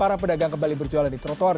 para pedagang kembali berjualan di trotoar